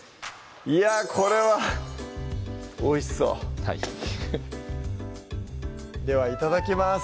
いやぁこれはおいしそうはいではいただきます